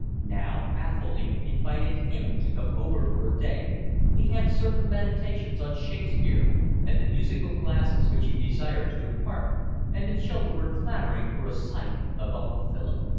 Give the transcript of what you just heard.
Now Athelny invited him to come over for a day, he had certain meditations on Shakespeare and the musical glasses which he desired to impart, and the children were clamouring for a sight of Uncle Philip.